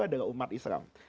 adalah umat islam